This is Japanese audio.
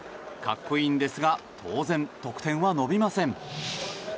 格好いいんですが当然、得点は伸びません。